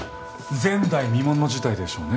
前代未聞の事態でしょうね。